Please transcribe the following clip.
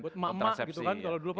buat emak emak gitu kan kalau dulu pak